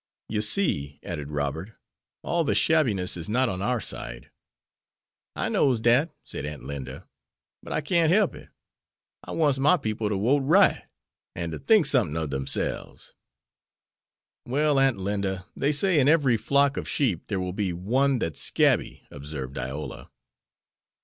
"You see," added Robert, "all the shabbiness is not on our side." "I knows dat," said Aunt Linda, "but I can't help it. I wants my people to wote right, an' to think somethin' ob demselves." "Well, Aunt Linda, they say in every flock of sheep there will be one that's scabby," observed Iola.